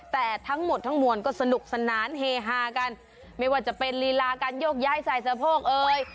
แต่ทั้งหมดทั้งมวลก็สนุกสนานเฮฮากันไม่ว่าจะเป็นลีลาการโยกย้ายใส่สะโพกเอ่ย